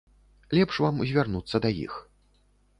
Лепш вам звярнуцца да іх.